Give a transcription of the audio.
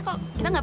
aku tak mau